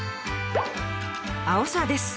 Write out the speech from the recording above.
あおさです。